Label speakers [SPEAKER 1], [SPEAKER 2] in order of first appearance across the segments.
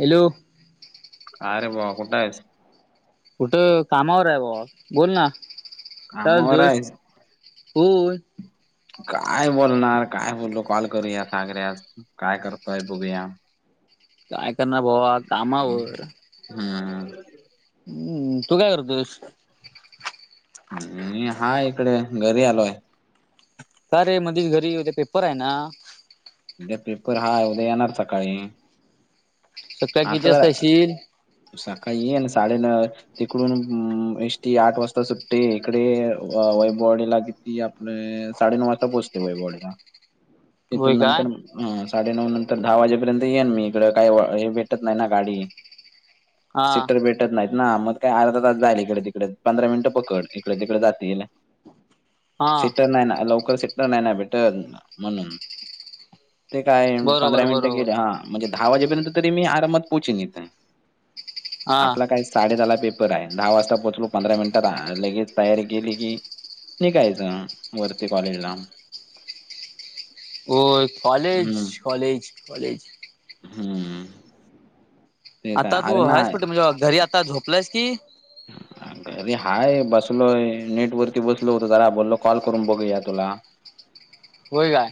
[SPEAKER 1] Hello
[SPEAKER 2] आर भावा कुठयस
[SPEAKER 1] कुठं कामावर आहे भावा बोल ना काय
[SPEAKER 2] कामावर
[SPEAKER 1] बोलतोस
[SPEAKER 2] आहेस?
[SPEAKER 1] होय
[SPEAKER 2] काय बोलणार काय म्हणल कॉल करूया सागऱ्यास काय करतोय बघूया.
[SPEAKER 1] काय करणार भावा कामावर
[SPEAKER 2] हम
[SPEAKER 1] हम्म तु काय करतोयस.
[SPEAKER 2] मी हाय इकड घरी आलोय.
[SPEAKER 1] का रे मधी घरीे उद्या पेपराय ना?
[SPEAKER 2] उद्या पेपर हाय उद्या येणार सकाळी
[SPEAKER 1] सकाळी किती
[SPEAKER 2] आता जरा
[SPEAKER 1] वाजता येशील
[SPEAKER 2] सकाळीे येन साडे न तिकडून म एष्टी आठ वाजता सुट्टते इकडे वैभववाडी ला ती आपले साडेनऊ वाजता पोहचते वैभववाडीला
[SPEAKER 1] होय
[SPEAKER 2] तिथून
[SPEAKER 1] काय
[SPEAKER 2] नंतर साडे नऊ नंतर दहा वाजेपर्यंत येईन मी इकड काही हे भेटत नाही ना गाडी
[SPEAKER 1] हा
[SPEAKER 2] सिटर भेट टत नाहीत ना म काय अर्धा तास जाईल इकडे तिकडे पंधरा मिनिट पकड इकडे तिकडे जातील.
[SPEAKER 1] हा
[SPEAKER 2] सिटर नाही ना लवकर सिट्टर नाही ना भेटत म्हणून ते काय
[SPEAKER 1] बरोबर
[SPEAKER 2] पंधरा मिनिटं
[SPEAKER 1] बरोबर
[SPEAKER 2] गेले हा म्हणजे दहा वाजेपर्यंत तरी मी आरामात पोहोचीन इथ
[SPEAKER 1] हा
[SPEAKER 2] आपला काय साडे दहाला पेपर आहे दहा वाजता पोहलो पंधरा मिनिटात लगेच तयारी केली कि निघायचं वरती कॉलेज ला
[SPEAKER 1] ओय
[SPEAKER 2] हम्म
[SPEAKER 1] कॉलेज कॉलेज कॉलेज
[SPEAKER 2] हम्म तेच आहे
[SPEAKER 1] आता
[SPEAKER 2] अरे
[SPEAKER 1] तू हायस
[SPEAKER 2] नाही
[SPEAKER 1] कुट म्हणजे घरी आता झोपलायस की
[SPEAKER 2] [unintelligible] घरी हाय बसलोय नेट वरती बसलो होततो जरा बोललो कॉल करून बघूया तुला [inaudible]
[SPEAKER 1] होय का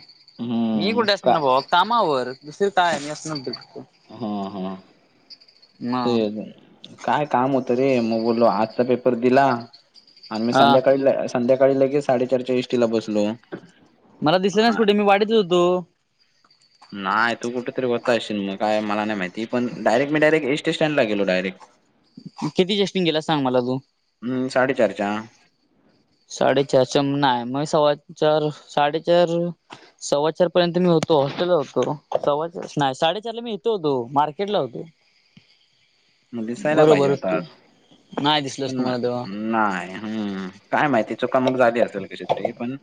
[SPEAKER 1] मी
[SPEAKER 2] हम्म
[SPEAKER 1] कुठे
[SPEAKER 2] का
[SPEAKER 1] असनार भावा कामावर दुसरी काय
[SPEAKER 2] हा हा
[SPEAKER 1] [unintelligible] म
[SPEAKER 2] ते काय काम होतं रे मग बोललो आजचा पेपर दिला आणि मी
[SPEAKER 1] हा
[SPEAKER 2] संध्याकाळी ल संध्याकाळी लगेच साडेचारच्या इष्टीला बसलो.
[SPEAKER 1] मला दिसलं नाहीस कुठे मी वाडीतच होतो.
[SPEAKER 2] नाय तू कुठेतरी होता असशील मग काय मला नाही माहिती पण डायरेक मी डयरेक एस टी स्टँडला गेलो डायरेक
[SPEAKER 1] कितीचा एसटी न गेला सांग मला तू
[SPEAKER 2] हम्म साडेचारच्या
[SPEAKER 1] साडेचारच्या म नाय मी सव्वा चार साडेचार सव्वा चार पर्यंत मी होतो हॉस्टेलवर होतो सव्वाचार नाही साडेचारला मी हित होतो मार्केट ला होतो.
[SPEAKER 2] म दिसायला पाहिजे
[SPEAKER 1] बरोबर तू
[SPEAKER 2] होतास
[SPEAKER 1] नाही दिसलस
[SPEAKER 2] पण ना
[SPEAKER 1] तुम्हाला तेव्हा
[SPEAKER 2] नाय हम्म काय माहिती चुकामुक झाली असल कशी तरी पण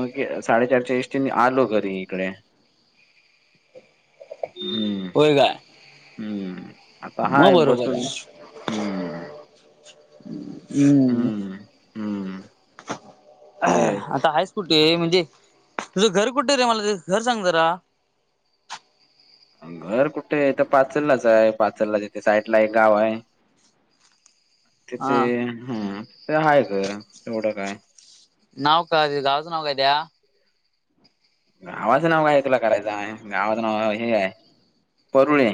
[SPEAKER 2] मग साडेचारच्या इष्टीनी आलो घरी इकडे हम्म हम्म आता
[SPEAKER 1] म
[SPEAKER 2] हाय बसून
[SPEAKER 1] बरोबरय.
[SPEAKER 2] हम्म
[SPEAKER 1] हम्म
[SPEAKER 2] ते
[SPEAKER 1] आता हायस कुठे म्हणजे तुझं घर कुठे रे मला ते घर सांग जरा
[SPEAKER 2] घर कुठे त पाचललाचय पाचललाच तिथे साईडला एक गावय तिथे
[SPEAKER 1] हा
[SPEAKER 2] हम्म तिथे हाय घर येवढं काय
[SPEAKER 1] नाव काय त्या गावाच नाव काय त्या
[SPEAKER 2] गावाचं नाव काय तुला करायचं गावाचं नाव हे हाय परुळे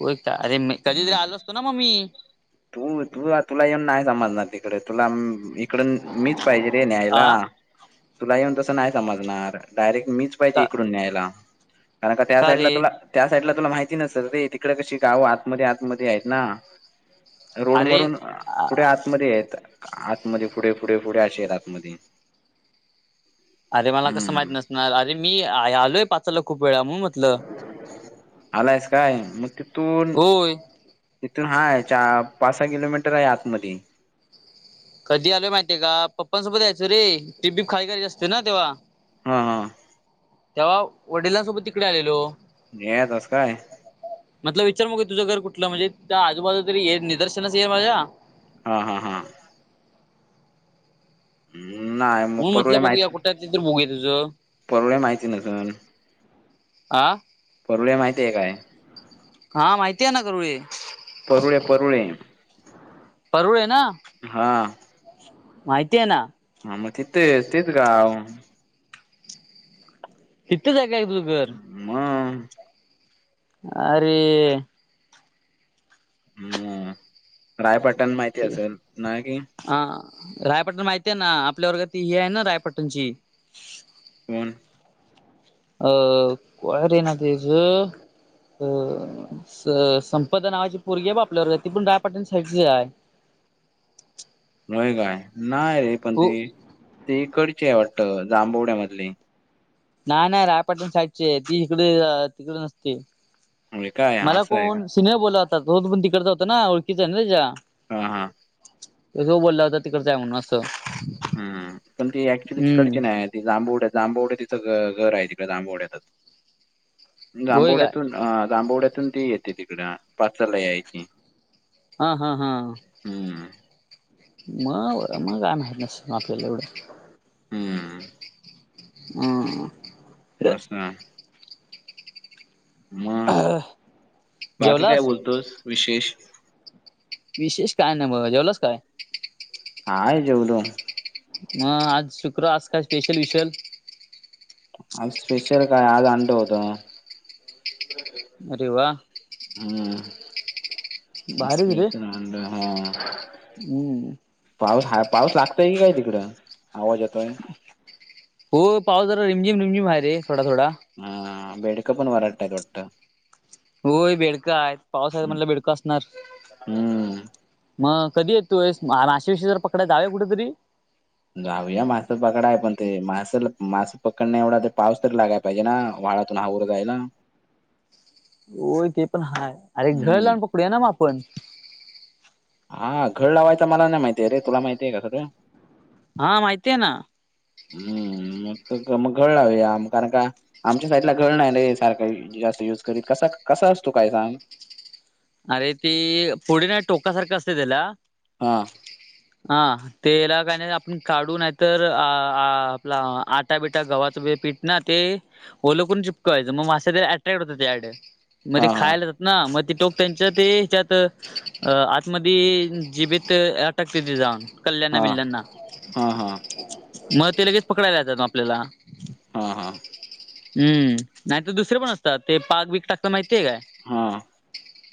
[SPEAKER 1] हो एक तर अरे मी
[SPEAKER 2] हम्म
[SPEAKER 1] कधीतरी आलो असतो ना मग मी
[SPEAKER 2] तू तू, तुला येन नाही समजणार तिकडे तुला हम ती तिकडं मीच पाहिजे रे, न्यायला
[SPEAKER 1] आ
[SPEAKER 2] तुला येऊन तस नाही समजणार डायरेक्ट मीच पाहिजे
[SPEAKER 1] का
[SPEAKER 2] इकडून न्यायला कारण का त्या साईडला तुला त्या साईडला तुला माहिती नसल रे, तिकडे कशी गावं आतमध्ये आतमध्ये आहेत ना, रोड
[SPEAKER 1] अरे
[SPEAKER 2] मरून पुढे आतमध्ये आहेत आतमध्ये पुढे पुढे पुढे, असे आहेत आतमध्ये
[SPEAKER 1] अरे, मला कसं माहित
[SPEAKER 2] हम्म
[SPEAKER 1] नसणार अरे मी आलोय, पाचला खूप वेळा म्हणून म्हटलं.
[SPEAKER 2] आलायस काय मग तिथून
[SPEAKER 1] होय
[SPEAKER 2] तिथून हाय, चा पाच- सहा किलोमीटर आहे. आतमध्ये
[SPEAKER 1] [unintelligible]
[SPEAKER 2] हा हा,
[SPEAKER 1] तेव्हा वडिलांसोबत तिकडे आलेलो.
[SPEAKER 2] [unintelligible]
[SPEAKER 1] म्हटलं विचार मग की तुझं घर कुठलं म्हणजे त्या आजूबाजूला ये तरी निदर्शनास ये माझ्या.
[SPEAKER 2] हा हा हा. नाही मग
[SPEAKER 1] हु
[SPEAKER 2] परुळे
[SPEAKER 1] म्हटलं बघूया
[SPEAKER 2] माहिती
[SPEAKER 1] कुठत तर बघूया तुझ,
[SPEAKER 2] परुळे माहिती नसून
[SPEAKER 1] हा.
[SPEAKER 2] बबड्या माहितीये काय?
[SPEAKER 1] हा माहिती आहे ना करुळे.
[SPEAKER 2] परुळे, परुळे.
[SPEAKER 1] परुळे आहे ना
[SPEAKER 2] हा
[SPEAKER 1] माहिती आहे ना.
[SPEAKER 2] हा, मग तिथेच तेच गाव.
[SPEAKER 1] हितच हाय काय तुझं घर.
[SPEAKER 2] म
[SPEAKER 1] अरे,
[SPEAKER 2] हम्म, रायपटण माहिती असेल ना, कि.
[SPEAKER 1] हा, रायपटण माहिती आहे ना आपल्या वर्गात ही आहे ना रायपटणची.
[SPEAKER 2] कोण?
[SPEAKER 1] अह, काय रे नाव तेच अ, स, संपदा नावाची पोरगी ब आपल्या वर्गातली ती पण रायपटन साइटची आहे.
[SPEAKER 2] होय काय, नाय रे पण
[SPEAKER 1] हो
[SPEAKER 2] ते ते कडचे आहे वाटत जांभवड्यामधली.
[SPEAKER 1] नाय नाय, रायपटण साईडची आहे ती इकडे तिथेच असते.
[SPEAKER 2] होय काय
[SPEAKER 1] मला
[SPEAKER 2] असं आहे का
[SPEAKER 1] कोण? तिने बोला होता, तो पण तिकडचा होता, ना ओळखीचा आहे ना तिच्या
[SPEAKER 2] हा हा,
[SPEAKER 1] तस, बोलला होता तिकडच आहे म्हणून असं,
[SPEAKER 2] हम्म, पण ती ऍक्च्युली
[SPEAKER 1] हम्म
[SPEAKER 2] तिकडची नाही जांभवड्या, जांभवड तिथं घर आहे. तिकडे जांभवड्यातच
[SPEAKER 1] होय
[SPEAKER 2] जांभवड्यात
[SPEAKER 1] काय
[SPEAKER 2] पण, हा, जांबवड्यातून ती येते तिकड पाचला यायची.
[SPEAKER 1] हा हा हा,
[SPEAKER 2] हम्म,
[SPEAKER 1] [unintelligible]
[SPEAKER 2] हम्म,
[SPEAKER 1] [unintelligible]
[SPEAKER 2] असा
[SPEAKER 1] अ
[SPEAKER 2] मग, बाकी काय
[SPEAKER 1] जेवलास
[SPEAKER 2] बोलतोस विशेष
[SPEAKER 1] विशेष काय नाही बघा, जेवलास काय?
[SPEAKER 2] हाय, जेवलोय.
[SPEAKER 1] मग, आज शुक्र आज काय स्पेशल -विशल
[SPEAKER 2] आज स्पेशल काय आज अंड होत.
[SPEAKER 1] अरे व्हा,
[SPEAKER 2] हम्
[SPEAKER 1] भारीच रे
[SPEAKER 2] स्पेसल अंड हा
[SPEAKER 1] हम्म
[SPEAKER 2] पाऊस हा पाऊस लागतय की काय तिकडं आवाज येतोय.
[SPEAKER 1] हो पावस जरा रिमझिम रिमझिम हाय रे थोडा थोडा.
[SPEAKER 2] हा बेडकं पण वरडतायत वाटतं.
[SPEAKER 1] होय बेडकां आहेत पावसा म्हटलं बेडकां असणार
[SPEAKER 2] हम्म
[SPEAKER 1] मग कधी येत तूस माशे विष जर पकडाला जावे कुठेतरी.
[SPEAKER 2] जाऊया मासं पकडा आहे पण ते मासे मासं पकड नाही एवढा ते पाऊस तररी लागाय पाहिजे ना व्हाळातून हा उर जायला.
[SPEAKER 1] होय ते पण हा अरे घर
[SPEAKER 2] हम्म
[SPEAKER 1] लावून पकडूया ना मग आपण.
[SPEAKER 2] हा घळ लावायचं मला नाही माहितीय रे तुला माहितीय का सगळ.
[SPEAKER 1] हा माहिती आहे ना.
[SPEAKER 2] हम्म मग मग घळ लावया कारण का, आमच्या साईडला गळ नाही र सारखं जास्त युज करी कसा कसा असतो काय सांग.
[SPEAKER 1] अरे ती पुढे नाही टोका सारखं असते त्याला.
[SPEAKER 2] हा.
[SPEAKER 1] हा. तेला काही नाही आपण काढू नाही तर अ आपला आटा बिटा गव्हाचं पीठ ना ते. ओल करून चिपकायचं मग मा्या अट्रॅक्ट होत त्याडे मग ते
[SPEAKER 2] हा हा
[SPEAKER 1] खायला जात ना मग ते टोक त्यांच ते ह्याच्यात आतमध्ये जिबेत अटकते ते जाऊन. कल्याणना
[SPEAKER 2] हा
[SPEAKER 1] विल्यांना
[SPEAKER 2] हा हा
[SPEAKER 1] मग ते लगेच पकडायला लाात आपल्याला.
[SPEAKER 2] हा हा.
[SPEAKER 1] हम्म नाही तर दुसरे पण असतात ते पाक बीक टाकता माहितीय काय.
[SPEAKER 2] हा.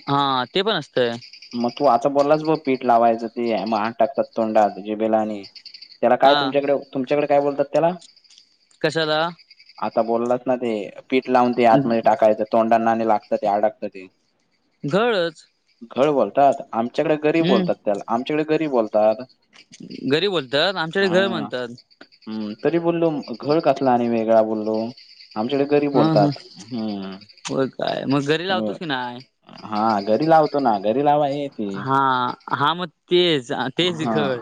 [SPEAKER 1] हा ते पण असतंय.
[SPEAKER 2] मग तू आता बोललास ब पीठ लावायचं ते म टाकतात तोंडात जिबेला आणि त्याला काय
[SPEAKER 1] हा
[SPEAKER 2] तुमच्याकडे तुमच्याकडे काय बोलतात त्याला.
[SPEAKER 1] कशाला.
[SPEAKER 2] आता बोललाच ना ते पीठ लावून ते आतमध्ये टाकायचं तोंडा नाणे लागतं ते अडकतं ते.
[SPEAKER 1] घळच.
[SPEAKER 2] घळ बोलतात आमच्याकडे गरीब बोलतात
[SPEAKER 1] हम्म
[SPEAKER 2] त्याला आमच्याकडे गरी बोलतात.
[SPEAKER 1] घरी बोलतात आमच्याकडे घळ म्हणतात.
[SPEAKER 2] हम् तरी बोललो घळ कसला आणि वेगळा बोललो. आमच्याकडे घरी ब
[SPEAKER 1] हा
[SPEAKER 2] बोलतात
[SPEAKER 1] हा
[SPEAKER 2] हम्म.
[SPEAKER 1] होय काय मग घरी लावतोस की नाय
[SPEAKER 2] हा गरी लावतो ना घरी लावा ये ते
[SPEAKER 1] हा हा मग तेच तेच
[SPEAKER 2] हा
[SPEAKER 1] गळ.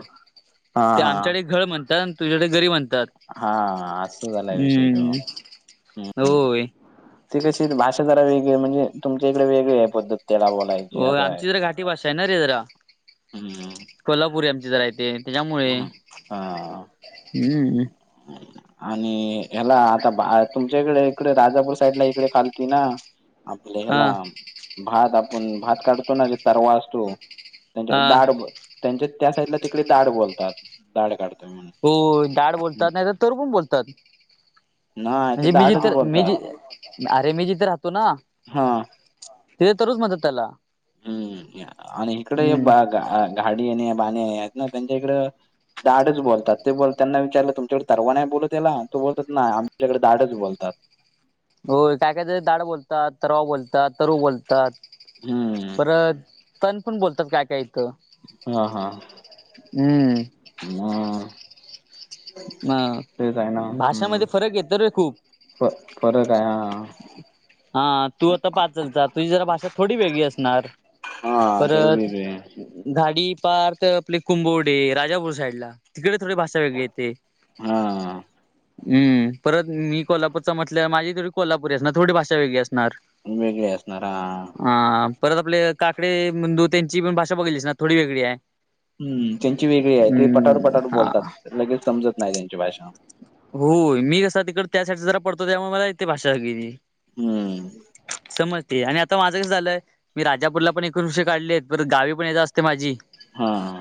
[SPEAKER 2] हा
[SPEAKER 1] ते
[SPEAKER 2] हा.
[SPEAKER 1] आमच्याकडे गळ म्हणतात आणि तुझ्याकडे गरी म्हणतात.
[SPEAKER 2] हा अस झालाय विषय त्यो.
[SPEAKER 1] हम्म होय.
[SPEAKER 2] ते कशी भाषा जरा वेगळी म्हणजे तुमच्या इकडे वेगली आहे पद्धत. त्याला बोलायची
[SPEAKER 1] हो
[SPEAKER 2] असं आहे.
[SPEAKER 1] आमची ज घाटी भाषा आहे ना रे जरा.
[SPEAKER 2] हम्म
[SPEAKER 1] कोल्हापुरी आमची जरा य ते त्याच्यामुळे
[SPEAKER 2] हम्म
[SPEAKER 1] हम्म.
[SPEAKER 2] ह [unintelligible] आणि ह्याला आता तुमच्याकडे इकडे राधापूर साईड ला इकडे खालती ना. आपले
[SPEAKER 1] हा
[SPEAKER 2] ह्याला भात आपण भात काढतो ना जे तरवा असतो. त्यांच्या
[SPEAKER 1] हा
[SPEAKER 2] दाड त्यांच्या त्या साईडला तिकडे दाड बोलतात दाड काढत म्हण
[SPEAKER 1] हो दाड बोलतात नाही तर तरु पण बोलतात.
[SPEAKER 2] नाही ते
[SPEAKER 1] म्हणजे मी
[SPEAKER 2] दाडच
[SPEAKER 1] जिथ मी
[SPEAKER 2] बोलतात
[SPEAKER 1] जी अरे मी जिथं राहतो ना.
[SPEAKER 2] हा.
[SPEAKER 1] ते तरूच म्हणतात त्याला.
[SPEAKER 2] हम्म आणि इकडे
[SPEAKER 1] हम्म
[SPEAKER 2] घाडीणे बाणीने आहेत ना त्यांच्या इकड ताडच बोलतात. ते बोलतांना विचारलं तुमच्याकडे तरवा नाही बोलत याला. तो बोलतात नाय, आमच्याकडे ताडच बोलतात.
[SPEAKER 1] हो काय काय जन ताड बोलतात. तरवा बोलतात. तरु बोलतात.
[SPEAKER 2] हम्म
[SPEAKER 1] परत तण पण बोलतात काय काय इथ. हम्म.
[SPEAKER 2] हम् [unintelligible]
[SPEAKER 1] म
[SPEAKER 2] ना हम्म
[SPEAKER 1] भाषामध्ये फरक यतोरे खूप.
[SPEAKER 2] फ फरकय हा.
[SPEAKER 1] हा तू आता पाचलचा. तुझी जरा भाषा थोडी वेगळी असणार.
[SPEAKER 2] हा थोडी वेगळी ये.
[SPEAKER 1] घाडी पार त आपले कुंबवडे. राजापूर साईटला. तिकडे थोडी भाषा वेगळी येते.
[SPEAKER 2] हा
[SPEAKER 1] हम्म. परत मी कोल्हापूरचा म्हटल्याव. माझी थोडी कोल्हापूरी असणार. थोडी भाषा वेगळी असणार.
[SPEAKER 2] वेगळी असणार. हा.
[SPEAKER 1] हा. परत आपले काकडे म दूत्यांची पण, भाषा बघितलीस ना. थोडी वेगळी आहे.
[SPEAKER 2] हम्म. त्यांची वेगळीये. ते पटार
[SPEAKER 1] हम्म
[SPEAKER 2] पटार
[SPEAKER 1] हा
[SPEAKER 2] बोलतात. लगेच समजत नाही. त्यांची भाषा.
[SPEAKER 1] हो मी कसा तिकडे त्या साईड जरा पडतो. त्यामुळे मला इथे भाषा वेगळी ती.
[SPEAKER 2] हम्म.
[SPEAKER 1] समजते. आणि आता माझं कसं झालंय? मी राजापूरला पण एक वर्ष काढलेत. परत गावी पण ये जा असते माझी.
[SPEAKER 2] हा हा.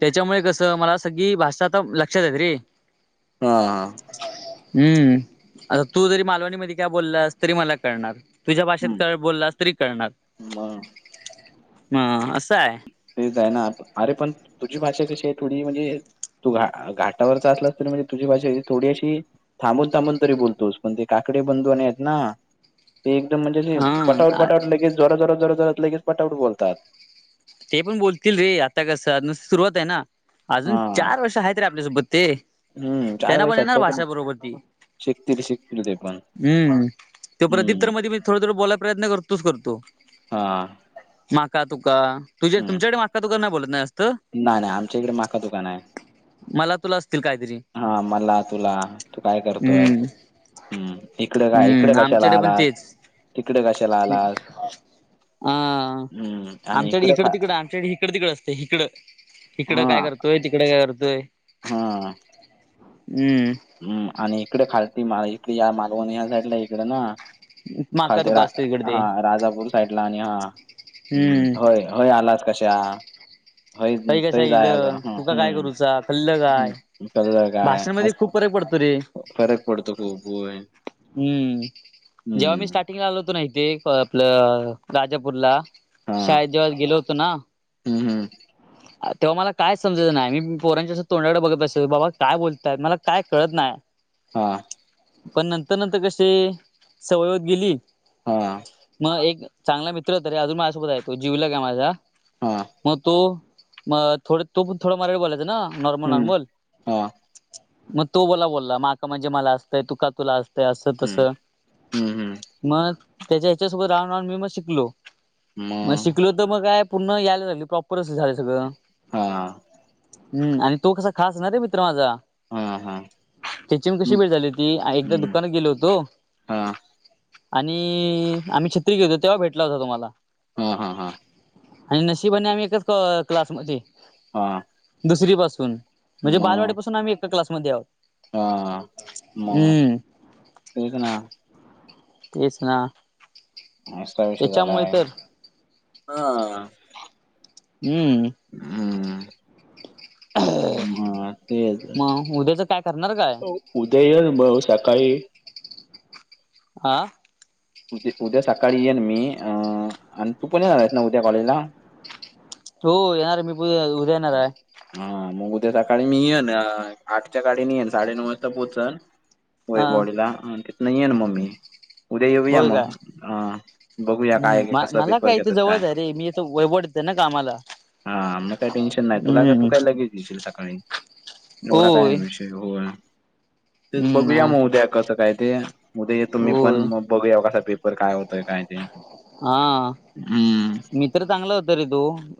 [SPEAKER 1] त्याच्यामुळे कसं, मला सगळी भाषा आता लक्षात येत रे.
[SPEAKER 2] हा.
[SPEAKER 1] हम्म. आता तू जरी मालवणी मध्ये काय बोललास. तरी मला कळणार. तुझ्या भाषेत
[SPEAKER 2] हम्म
[SPEAKER 1] तळ बोललास तरी कळणार.
[SPEAKER 2] मग
[SPEAKER 1] म असंय.
[SPEAKER 2] तेच आहे ना. अरे पण तुझी भाषा कशी आहे. थोडी म्हणजे तू घा घाटावरचा असलास. तरी म्हणजे तुझी भाषी थोडी अशी थांबून थांबून तरी बोलतोस. पण ते काकडे बंधूने आहेत ना ते एकदम म्हणजेे पटापट
[SPEAKER 1] हा
[SPEAKER 2] पटापट लगेच जरा जोरा जोरात. लगेच पटापट बोलतात.
[SPEAKER 1] ते पण बोलतील रे. आता कसं, नुस सुरुवाते ना. अजून
[SPEAKER 2] हा
[SPEAKER 1] चार वर्ष आहेत रे आपल्यासोबत ते.
[SPEAKER 2] हम्म चार
[SPEAKER 1] त्यांना पण
[SPEAKER 2] वर्षात
[SPEAKER 1] येणार
[SPEAKER 2] तो
[SPEAKER 1] भाषा बरोबर ती.
[SPEAKER 2] शिकतील शिकतील ते पण
[SPEAKER 1] हम्म. तो प्रदीप्
[SPEAKER 2] हम्म
[SPEAKER 1] तर मधी मधी थोडं थोंड बोलायचा, प्रयत्न करतोच करतो.
[SPEAKER 2] हा.
[SPEAKER 1] माका तुका. तुझ तुमच्याकडे माका तु नाही बोलत ना. जा
[SPEAKER 2] नाय नाय आमच्या इकडे माखं तुका नाय.
[SPEAKER 1] मला तुला असतील काहीतरी
[SPEAKER 2] हा मला, तुला, तू काय करतोय.
[SPEAKER 1] हम्म
[SPEAKER 2] हम्म. इकडे काय इकडे
[SPEAKER 1] हम्म
[SPEAKER 2] कशाला
[SPEAKER 1] आमच्याकडे पण
[SPEAKER 2] आलास.
[SPEAKER 1] तेच
[SPEAKER 2] तिकड कशाला आलास.
[SPEAKER 1] अ
[SPEAKER 2] हम्म आणि
[SPEAKER 1] आमच्याकडे
[SPEAKER 2] इकडं
[SPEAKER 1] इकड
[SPEAKER 2] खा
[SPEAKER 1] तिकडं आमच्याक इिकड तिकड असते इकडं. इकडं
[SPEAKER 2] हा
[SPEAKER 1] काय करतोय. तिकड काय करतोय.
[SPEAKER 2] हा.
[SPEAKER 1] हम्म.
[SPEAKER 2] हम्म. आणि इकडे खालती मा इकडे या मालवणी ह्या साईटला इकड ना.
[SPEAKER 1] माका
[SPEAKER 2] खालते
[SPEAKER 1] तुका असतो इकड ते
[SPEAKER 2] हा राजापूर साईठला आणि हा्,
[SPEAKER 1] हम्म
[SPEAKER 2] होय होय आलाच कशा. हय
[SPEAKER 1] काही कसा
[SPEAKER 2] तय
[SPEAKER 1] येईल
[SPEAKER 2] जायाच आता
[SPEAKER 1] तुका
[SPEAKER 2] ह
[SPEAKER 1] काय करूचा कल्लं
[SPEAKER 2] हम्म कल काय असं.
[SPEAKER 1] पडत रे.
[SPEAKER 2] फरक पडतो खूप. होय.
[SPEAKER 1] हम्म. जेव्हा मी
[SPEAKER 2] हम्म
[SPEAKER 1] स्टार्टिंगला आलो होतो ना इथे. आपलं राजापूरला.
[SPEAKER 2] हा
[SPEAKER 1] शाळे जेव्हा गेलो होतो ना.
[SPEAKER 2] हम्म, हम्म.
[SPEAKER 1] तेव्हा मला काय समजयच नाय. मी पोरांच्यास तोंडाकडे बघत बसायचो. बाबा काय बोलतय त मला काय कळत नाय.
[SPEAKER 2] हा.
[SPEAKER 1] पण नंतर नंतर कशी, सवय होत गेली.
[SPEAKER 2] हां.
[SPEAKER 1] मग एक चांगला मित्र होता. अजून माझ्यासोबत आहे तो, जिवलग आहे माझा.
[SPEAKER 2] हां.
[SPEAKER 1] मग तो, म- थोडं तो पण थोड मराठी बोलायचां ना नॉर्मल
[SPEAKER 2] हं,
[SPEAKER 1] नॉर्मल.
[SPEAKER 2] हां,
[SPEAKER 1] मग तो बोला बोलला, मका म्हणजे मला असतंय, तू का तुला असतंय असं तस.
[SPEAKER 2] हं, हं, हं.
[SPEAKER 1] मग त्याच्या हेच्यासोबत राहून राहून मी मग शिकलो, मग शिकलो. मग काय पूर्ण यायला लागली, प्रॉपर असं झाले सगळं.
[SPEAKER 2] हा.
[SPEAKER 1] हम्. आणि तो कसा खासणारे मित्र माझा.
[SPEAKER 2] हां, हां.
[SPEAKER 1] त्याची मग कशी
[SPEAKER 2] हं,
[SPEAKER 1] भेट झाली होती, एकदा
[SPEAKER 2] हं.
[SPEAKER 1] दुकानात गेलो होतो.
[SPEAKER 2] हां,
[SPEAKER 1] आणि आम्ही छत्री घेत होतो, तेव्हा भेटला होता मला.
[SPEAKER 2] हा हा हा.
[SPEAKER 1] आणि नशीबने आम्ही एकाच क- क्लासमध्ये.
[SPEAKER 2] हां.
[SPEAKER 1] दुसरी पासून म्हणजे, बालवाडीपासून आम्ही एका क्लासमध्ये आहोत.
[SPEAKER 2] हा, मगं
[SPEAKER 1] हम्म
[SPEAKER 2] तेच ना.
[SPEAKER 1] [unintelligible] तेच ना,
[SPEAKER 2] नाष्टा बिष्टा
[SPEAKER 1] त्याच्यामुळे
[SPEAKER 2] झालायं,
[SPEAKER 1] तर
[SPEAKER 2] हां..
[SPEAKER 1] हम्म.
[SPEAKER 2] अमं.. अ.. मं,
[SPEAKER 1] मग उद्याच काय करणार काय
[SPEAKER 2] तेच उदया य ब- सकाळी.
[SPEAKER 1] आं..
[SPEAKER 2] द उद्या सकाळी येईन मी, अ -आणि तू पण येणार आहेस ना उद्या कॉलेज ला.
[SPEAKER 1] हो, येणार आहे मी पण उद्या येणार ये.
[SPEAKER 2] हा मगं उद्या सकाळी मी येन, आठच्या गाडी ने येन साडेनऊ वाजता पोहोचन.
[SPEAKER 1] हा
[SPEAKER 2] वैभववाडीला आणं तिथ येनं मग् मी, उद्या येऊया मग अं..
[SPEAKER 1] हम्. मला काय इथं जवळचं आहे रे, मी इथं वैभववाडीत ना कामाला.
[SPEAKER 2] हा, मग काही टेन्शन नाही, तुला का तू
[SPEAKER 1] हम्म
[SPEAKER 2] काय लगेच. येशील सकाळी, एवढा काय
[SPEAKER 1] होय
[SPEAKER 2] विषय होय, तेच बघूया
[SPEAKER 1] हम्म
[SPEAKER 2] मग उद्या कसं काय ते, उद्या येतो मी पण
[SPEAKER 1] होय
[SPEAKER 2] मग बघूया कसा पेप र काय होतंय. काय ते,
[SPEAKER 1] हा,
[SPEAKER 2] हम्म
[SPEAKER 1] मित्र चांगलं होतं रे तो.